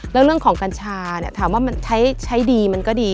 แล้วเรื่องของกัญชาเนี่ยถามว่ามันใช้ดีมันก็ดี